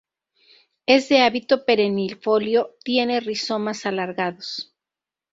Es de hábito perennifolio, tiene rizomas alargados.